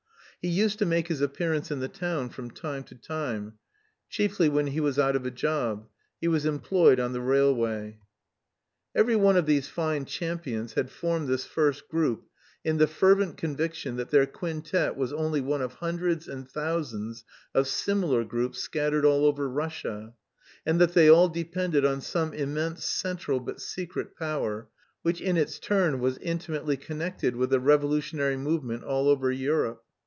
He used to make his appearance in the town from time to time, chiefly when he was out of a job; he was employed on the railway. Every one of these fine champions had formed this first group in the fervent conviction that their quintet was only one of hundreds and thousands of similar groups scattered all over Russia, and that they all depended on some immense central but secret power, which in its turn was intimately connected with the revolutionary movement all over Europe.